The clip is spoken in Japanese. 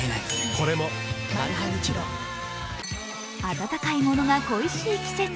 温かいものが恋しい季節。